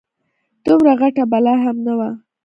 دومره غټه بلا هم نه وه.